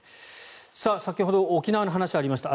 先ほど沖縄の話がありました。